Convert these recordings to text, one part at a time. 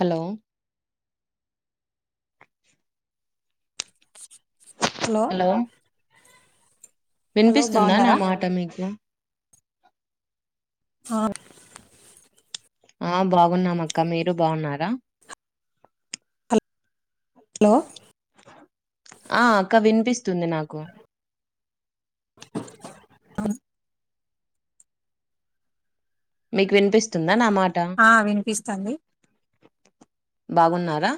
Hello [inaudible] hello hello వినిపిస్తుందా నా బాగున్నారా మాట మీకు ఆ ఆ బాగున్నామక్క మీరు బాగున్నారా హలో ఆ అక్క వినిపిస్తుంది నాకు అ మీకు వినిపిస్తుం ఆ వినిపిస్తంది బాగున్నారా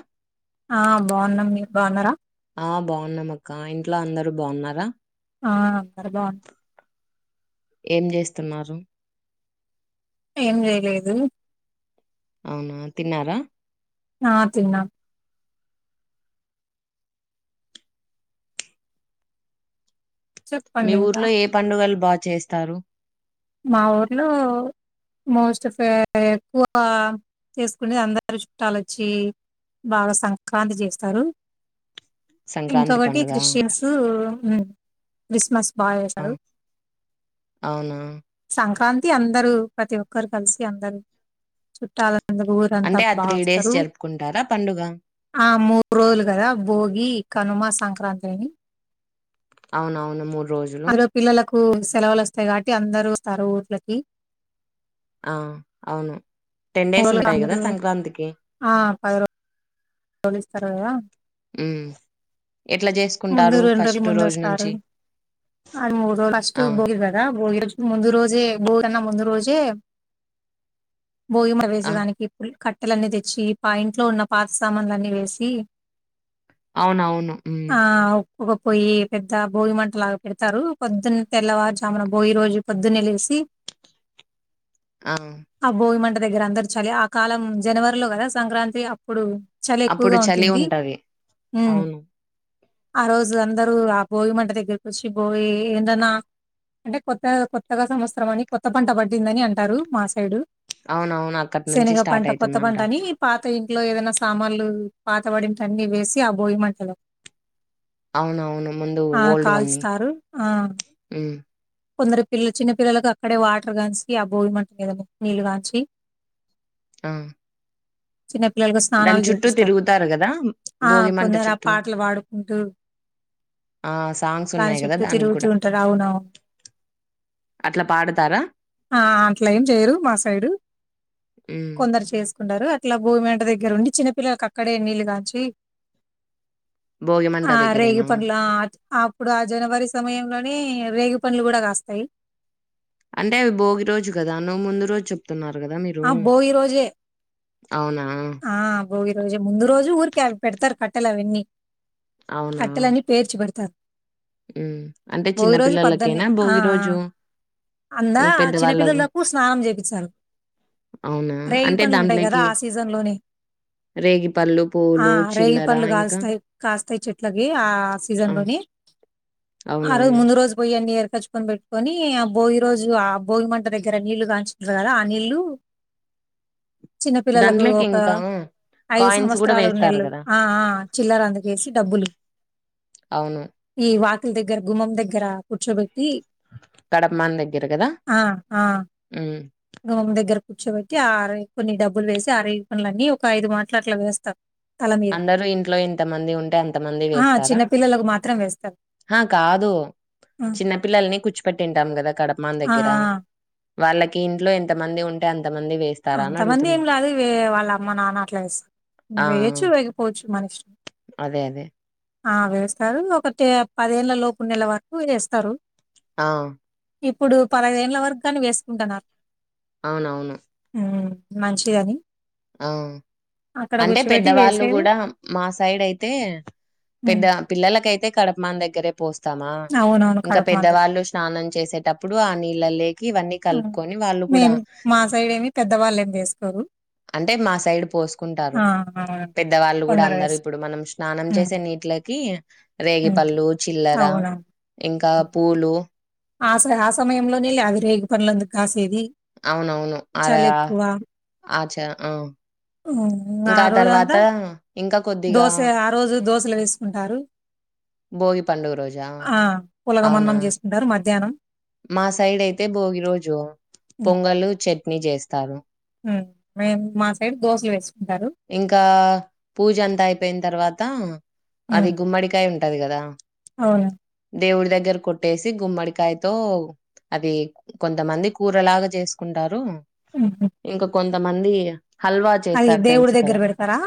ఆ బాగున్నాం మీరు బాగున్నారా ఆ బాగున్నామక్క ఇంట్లో అందరు బాగున్నారా ఆ అందరు బా ఏం చేస్తున్నారు ఏం చేయలేదు అవునా తిన్నారా ఆ తిన్నా మీ చెప్పండి ఇంకా ఊర్లో ఏ పండుగలు బాగా చేస్తారు మా ఊర్లో మోస్ట్ ఆఫ్ ఎక్కువ చేసుకునే అందరు చుట్టాలు వచ్చి బాగా సంక్రాంతి చేస్తారు సంక్రాంతి ఇంకొకటి పండుగ క్రిస్టియన్స్ క్రిస్మస్ బాగా ఆ చేశారు అవునా సంక్రాంతి అందరూ ప్రతి ఒక్కరు కలిసి అందరు చుట్టాల అందకు ఊరంతా అంటే ఆ బా త్రీ డేస్ వస్తారు జరుపుకుంటారా పండుగ ఆ మూడు రోజులు కదా భోగి కనుమ సంక్రాంతి అని అవునవును మూడు రోజులు అందులో పిల్లలకు సెలవులు వస్తాయి కాబట్టి అందరు వస్తారు ఊర్లకి ఆ అవును టెన్ డేస్ మాములుగా ఉంటాయి కదా అందరు సంక్రాంతికి ఆ పది రో కొనిస్తారు కదా ఉమ్ ఎట్లా ముందు చేసుకుంటారు రెండు రోజుల ఫస్ట్ ముందు రోజు వస్తారు నుంచి అది మూడు రోజులు ఫస్ట్ ఆ! భోగి కదా భోగి రోజు ముందు రోజే భోగి కన్నా ముందు రోజే భోగి మ ఆ! వేసే దానికి క కట్టెలన్నీ తెచ్చి మా ఇంట్లో ఉన్నా పాత ఉన్న సామాన్ల అన్నీ వేసి అవునవును మ్మ్ ఒక పొయ్యి పెద్ద భోగి మంటలాగా పెడతారు పొద్దున్న తెల్లవారుజామున భోగి రోజు పొద్దున్నే లేసి [inaudible] ఆ! ఆ భోగి మంటలు దగ్గర అందరు చలి ఆ కాలం జనవరిలో కదా సంక్రాంతి అప్పుడు చలి అప్పుడు ఎక్కువగా చలి ఉంటుంది ఉంటది. అవును. ఆ రోజు అందరు ఆ భోగి మంట దగ్గరికి వచ్చి భోయి ఎందన్నా అంటే కొత్త కొత్తగా సంవత్సరం అని కొత్త పంట పడిందని అంటారు మా సైడు అవునవును. అక్కడి నుంచి శెనగ స్టార్ట్ పంట కొత్త అయితుందంట. పంట అని పాత పాత ఇంట్లో ఏదన్న సామాన్లు పాతపడింటే అన్ని వేసి ఆ భోగి మంటలో అవునవును. ముందు ఆ ఓల్డ్‌వన్నీ. కాల్సుతారు ఆ హ్మ్. కొందరు పిల్లలు చిన్న పిల్లలకు అక్కడే వాటర్ గాంచి ఆ భోగి మంట మీద నీళ్ళు కాంచి ఆ చిన్న పిల్లలు ఇంతగా దాని స్నానాలు చుట్టూ చేపిస్తారు తిరుగుతారు గదా! ఆ భోగిమంట కొందరు ఆ చుట్టూ. పాటలు పడుకుంటూ ఆ! సాంగ్స్ దాని ఉన్నాయి గదా! చెట్టూ దానికి తిరుగుతూ గూడా. ఉంటారు అవునవు అట్లా పాడతారా? ఆ అట్ల ఏం చేయరు మా సైడు హ్మ్. కొందరు చేసుకుంటారు ఆ అట్లా భోగి మంట దగ్గర ఉండి చిన్నపిల్లలకు అక్కడే నీళ్ళు కాంచి భోగిమంట ఆ రేగి దగ్గరేనా? పండ్లు ఆ అప్పుడు ఆ జనవరి సమయంలోనే రేగి పండ్లు కూడా కాస్తాయి అంటే అవి భోగి రోజు కదా నువ్వు ముందు రోజు చెప్తున్నారు కదా మీరు ఆ భోగి రోజే అవునా? ఆ భోగి రోజే ముందు రోజు ఊరికే అవి పెడతారు కట్టెలు అవన్నీ కట్టెలన్నీ పేర్చి పెడతారు మ్మ్ అంటే చిన్న భోగి రోజు పద్దన్నే పిల్లొల్లకేనా ఆ! భోగి ఆ! రోజు అందా హ్మ్. పెద్దవాళ్ళకు చిన్నపిల్లొల్లకు స్నానం చేపిస్తారు అవునా? రేగి అంటే పండ్లు ఉంటాయి కదా ఆ సీజన్ లోనే రేగి పళ్ళు ఆ రేగి పండ్లు కాస్తాయి కాస్తాయ్ చెట్లకి ఆ ఆ సీజన్ లోనే ఆ రోజు అవునవును ముందు రోజు పోయి అన్ని ఏర్ ఎరుకొచ్చుకొని పెట్టుకొని ఆ భోగి రోజు ఆ భోగి మంట దగ్గర నీళ్లు కాంచుంటారు కదా ఆ నీళ్ళలు [inaudible] చిన్న పిల్లలం దాంట్లోకి ఇంకా ఐదు కాయిన్స్ కూడా సంవత్సరాల వేస్తారు నెలలు కదా ఆ ఆ చిల్లర అందుకేసి డబ్బులు అవును ఈ వాకిలి దగ్గర గుమ్ం దగ్గర కుచ్చులు కడపమాన్ దగ్గర కదా ఆఆ హ్మ్. గుమ్మ దగ్గర కూర్చోబట్టి ఆ రేగి పండ్లు కొన్ని డబ్బులు వేసి రేగి పండ్లు అన్ని ఒక ఐదు మాట్లు అట్లా వేస్తారు తల మీద అందరు ఇంట్లో ఇంతమంది ఉంటే అంతమంది ఆ వేస్తారా చిన్న పిల్లలకు మాత్రం వేస్తారు ఆ కాదు ఆ చిన్న పపిల్లల్ని కూర్చిపెట్టింటాం కదా గడప మా ఆ దగ్గర వాళ్ళకి ఇంట్లో ఎంత మంది ఉంటే అంత అంతమంది ఏం లేదు వే వాళ్ళ అమ్మ నాన్న అట్లా ఇస్తా ఆ! ఆ! వేయొచ్చు వేకపోవచ్చు మన ఇష్టం అదే అదే ఆ వేస్తారు ఒకటి పదేళ్ళ లోపు నెల వరకు వేస్తారు ఆ ఇప్పుడు పదహదేళ్ల వరకుగాని వేసుకుంటున్నారు అవును అవును ఉ మంచిదని ఆ అక్కడ అంటే కూర్చోబెట్టి పెద్దవాళ్ళు వేసేది కూడా మా సైడ్ అయితే పెద్ద హ్మ్. పిల్లలకైతే కడపమాన దగ్గరే పోస్తామా అవునవును. ఇంకా కడుపు మందులు. పెద్దవాళ్ళు స్నానం చేసేటప్పుడు ఆ నీళ్ళ లే ఇవన్నీ ఆ! కలుపుకొని వాళ్ళు కూడా మేము మా సైడేమి పెద్దవాళ్ళేమి వేసుకోరు. అంటే మా సైడ్ పోసుకుంటారు ఆ! అవునండి. పెద్దవాళ్ళు కూడా కొందరు అందరూ వేసు ఇప్పుడు మనం స్నానం హ్మ్. చేసే నీటిలకి రేగిపళ్ళు చిల్లర అవునా ఇంకా పూలు ఆ స ఆ సమయంలోనే కదా రేగి పండ్లు అన్ని కాసేది అవును అవును ఆర చలెక్కువ. ఆచా ఆ ఆ ఇంకా రోజంతా తర్వాత ఇంకా కొద్దిగా దోస ఆ రోజు దోశలు వేసుకుంటారు భోగి పండుగ రోజా ఆ పులగం అవునా అన్నం చేస్తుంటారు మధ్యాహ్నం మా సైడ్ అయితే భోగి రోజు పొంగలు చట్నీ చేస్తారు మేము మా సైడ్ దోసలు వేసుకుంటారు ఇంకా పూజ అంతా అయిపోయిన తర్వాత అది గుమ్మడికాయ ఉంటది కదా అవును దేవుడి దగ్గర కొట్టేసి గుమ్మడికాయతో అది కొంతమంది కూరలాగా చేసుకుంటారు హుహు. ఇంకా కొంతమంది హల్వా అది చేస్తారు తెలుస దేవుడి దగ్గర పెడతారా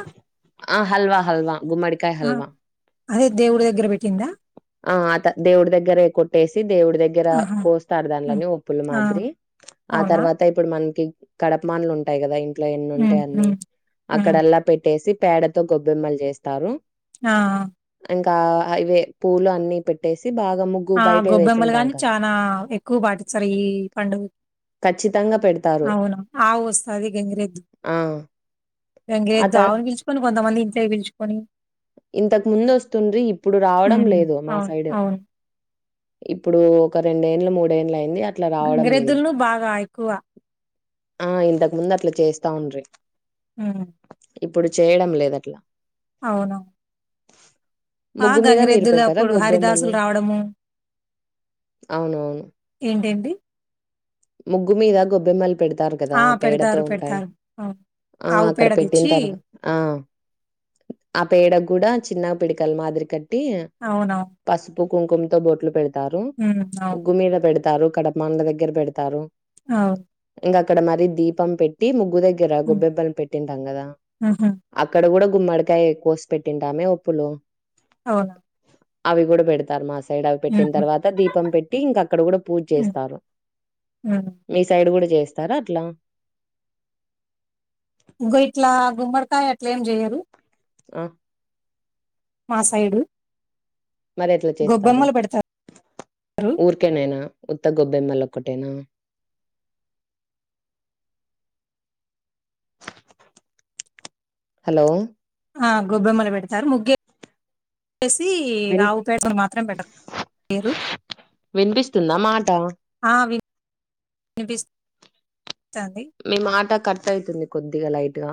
ఆ హల్వా హల్వా గుమ్మడికాయ ఆ! హల్వా అదే దేవుడి దగ్గర పెట్టిందా ఆ అత దేవుడి దగ్గరే కొట్టేసి దేవుడి దగ్గర ఆహా! కోస్తారు హ్మ్. దానిలోని ఉప్పులు ఆ! మాదిరి ఆ అవునా? తర్వాత ఇప్పుడు మనకి కడపమాన్లు ఉంటాయి కదా ఇంట్లో ఎన్ని హ్మ్. ఉంటాయి అన్ని హ్మ్. హ్మ్. అక్కడల్లా పెట్టి చేసి పేడతో గొబ్బెమ్మలు చేస్తారు ఆ ఇంకా అవే పూలు అన్ని పెట్టేసి బాగా ముగ్గు ఆ బయటే గొబ్బెమ్మలు వేసింటాం గాని కదా చనా ఎక్కువ పాటిస్తారు ఈ పండుగ ఖచ్చితంగా పెడతారు అవును ఆవు వస్తుంది గంగిరెద్దు ఆ వెంగే అత దావుని పిలుచుకొని కొంతమంది ఇంట్లో పిలుచుకొని ఇంతకు ముందు వస్తుండ్రి ఇప్పుడు రావడం హ్మ్. లేదు మా అవును. సైడ్ అవును. ఇప్పుడు ఒక రెండేండ్లు మూడేండ్లు అయి య్యింది అట్ల రావడం లేదు గంగిరెద్దులను బాగా ఎక్కువ. ఆ ఇంతకు ముందు అట్లా చేస్తా ఉండ్రి ఉమ్ ఇప్పుడు చేయడం లేదు అట్లా అవును ఆ ముగ్గు మీద మీరు పెట్టారా గంగిరెద్దులప్పుడు గొబ్బెమ్మలు హరిదాసులు రావడము అవునవును ఏంటేంటి? ముగ్గు మీద గొబ్బెమ్మలు పెడతారు కదా ఆ! పేడతో పెడతారు. ఉంటాయి పెడతారు. అవును. ఆ ఆవు అక్కడ పేడ పెట్టిన తెచ్చి తర్వా ఆ ఆ పేడ కూడా చిన్న పిడికల మాదిరి కట్టి అవునవును. పసుపు కుంకుమ తో బొట్లు పెడుత తారు హ్మ్. అవును. ఉగ్గు మీద పెడతారు కడపమాన్ల దగ్గర పెడతారు ఆ ఇంకా అక్కడ మరీ దీపం పెట్టి ముగ్గు దగ్గర హ్మ్. గొబ్బెబ్బలు పెట్టింటాం కదా హుహు. అక్కడ కూడా గుమ్మడికాయ కోసి పెట్టింటామే వొప్పులు అవునా అవి కూడా పెడతారు మా సైడ్ అవి పెట్టిన హుహు. తర్వాత దీపం పెట్టి ఇంక అక్కడ కూడా పూజ చేస్తారు ఉమ్ మీ సైడ్ కూడా చేస్తారా అట్లా ఇగ్గో ఇట్లా గుమ్మడికాయ అట్లా ఏం చెయ్యరు ఆ సైడు. మరి ఎట్ల చేస్తారు గొబ్బెమ్మలు పెడతారు. ఊర్కనేనా ఉతగ్ గొబ్బెమ్మలు ఒకటేనా హలో ఆ గొబ్బెమ్మలు పెడతారు ముగ్గు ఏ సి విన్ ఆవుపేడని మాత్రం పెట్టరు పేరు తున్న మాట [unintelligible] మీ మాట కట్ అయితుంది కొద్దిగా లైట్ గా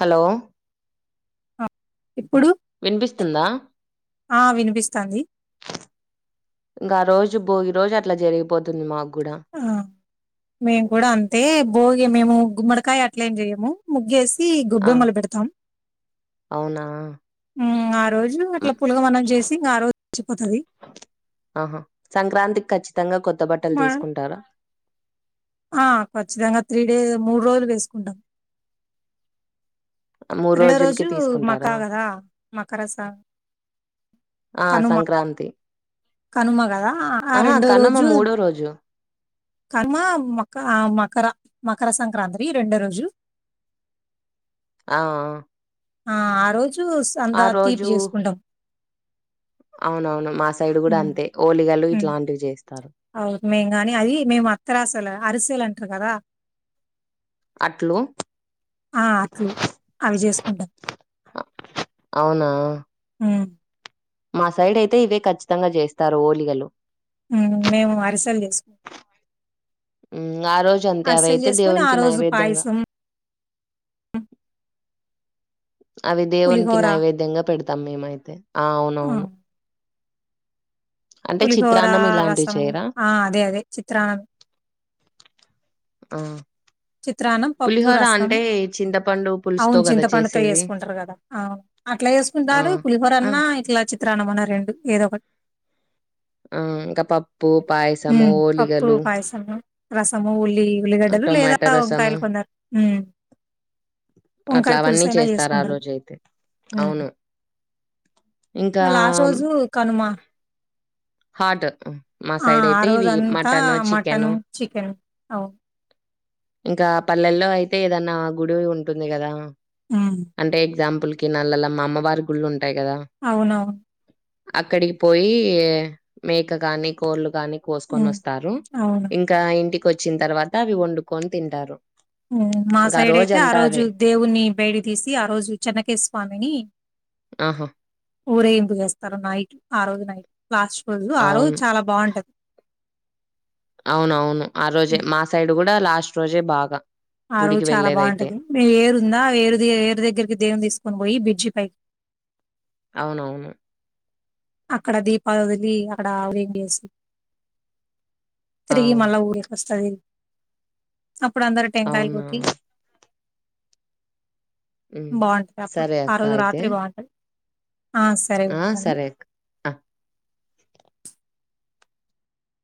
హలో ఆ! ఇప్పుడు వినిపిస్తుందా ఆ వినిపిస్తాంది ఇంకా ఆ రోజు భోగి రోజు అట్లా జరిగిపోతుంది మాకు కూడా ఆ మేము కూడా అంతే భోగి మేము గుమ్మడికాయ అట్ల ఏం చెయ్యము ముగ్గేసి ఆ గొబ్బెమ్మలు పెడతాం అవునా ఉమ్ ఆ రోజు అట్లా హ్మ్. పులగం అన్నం చేసి ఇంకా ఆ రోజు గడిచిపోతది ఆహా సంక్రాంతికి ఖచ్చితంగా కొత్త బట్టలు మ తీసుకుంటారా ఆ ఖచ్చితంగా త్రీ డే మూడు రోజులు వేసుకుంటాం మూడు రెండో రోజులకి రోజు తీసుకుంటారా మకా కదా మకరస ఆ సంక్రాంతి కనుమ కదా ఆ ఆహా రెండో కనుమ రోజు మూడో రోజు కనుమ మక ఆ మకర మకర సంక్రాంతికి రెండో రోజు ఆ ఆ ఆ రోజు ఆ అంతా తీపి రోజు చేసుకుంటాం అవునవును మా సైడ్ కూడా హ్మ్. అంతే ఓలిగలు హ్మ్. ఇట్లాంటివి చేస్తారు అవును మేము కానీ అది మేము అత్తరాసలు అరిసెలు అంటారు కదా అట్లు ఆ అట్లు అవి చేసుకుంటాం అవునా ఊ మా సైడ్ అయితే ఇవే ఖచ్చితంగా చేస్తారు ఓలిగలు ఊ మేము అరిసల్ చేసుకుంటం మ్ ఆ రోజు అంతే అరిసెలు అవైతే చేసుకొని ఆ దేవునికి రోజు నైవేద్యంగా పాయసం అవి దేవునికి పులిహోర నైవేద్యంగా పెడతాం మేమైతే ఆ అవునవును అంటే పులిహోర చిత్రాన్నం ఇలాంటివి రసము చేయరా ఆ అదే అదే చిత్రానం ఆ చిత్రాన్నం పప్పు పులిహోర రసం అంటే చింతపండు పులి అవును చింతపండుతో వేసుకుంటారు కదా ఆ అవును అట్లా ఆ చేసుకుంటారు పులిహోర ఆ అన్న ఇట్లా చిత్రాన్నమన్న రెండు రెండు ఏదో ఒకటి ఆ ఇంకా పప్ ఊ పప్పు పాయసము రసము ఉల్లి ఆ ఉల్లిగడ్డలు లేదా టొమాటో రసము వంకాయలు కొందరు అట్లా వంకాయ అవన్నీ పులుసైనా చేస్తారు ఆ చెసుకుంటరు రోజయితే ఊ అవును. ఇంకా ఆ లాస్ట్ రోజు కనుమ హాట్ మా ఆ సైడ్ ఆ అయితే రోజు ఇవి అంతా మటన్ చికెను మటను చికెన్ అవును ఇంకా పల్లెల్లో అయితే ఏదన్నా గుడి ఉంటుంది కదా ఉమ్ అంటే ఎగ్జాంపుల్ కి నల్లల మా అమ్మవారి గుళ్ళు ఉంటాయి అవునవును అక్కడికి పోయి మేక కాని కోళ్లు కాని కోసుకొని ఉమ్ వస్తారు అవును ఇంకా ఇంటికి వచ్చిన తర్వాత అవి వండుకొని తింటారు మా ఇంకా సైడ్ అయితే ఆ రోజంతా రోజు అదే. దేవున్నీ బయటకి తీసి ఆ రోజు చెన్నకేశవ స్వామిని ఆహా! ఊరేగింపు చేస్తారు నైట్ ఆ రోజు నైట్ లాస్ట్ రోజు ఆ రోజు అవును. చాలా బాగుంటది అవునవును ఆ రోజే మా సైడ్ కూడా లాస్ట్ రోజే బాగా ఆ రోజు గుడికి చాలా వెళ్ళేదైతే. బాగుంటది వేరుందా వేరు వేరు దగ్గరికి దేవున్ని తీసుకొని పోయి బ్రిడ్జి పైకి అవునవును అక్కడ దీపాలొదిలి అక్కడ అవులిన్ చేసి ఆ తరి మల్ ఊరికి వస్తాది అప్పుడు అందరు టెంకాయలు అవునా కొట్టి హ్మ్. బాగుంటుంది అప్పుడు సరే ఆ అక్క రోజు అయితే రాత్రి బాగుంటుంది ఆ సరే ఉంటాను అ